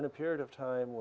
kita berada dalam waktu